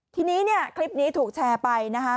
ทีนี้เนี่ยคลิปนี้ถูกแชร์ไปนะคะ